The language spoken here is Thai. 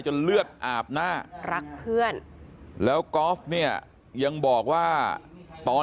เลือดอาบน่ารักเพื่อนแล้วกอล์ฟเนี่ยยังบอกว่าตอน